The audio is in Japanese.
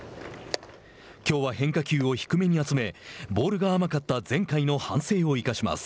きょうは変化球を低めに集めボールが甘かった前回の反省を生かします。